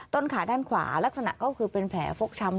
ขาด้านขวาลักษณะก็คือเป็นแผลฟกช้ำ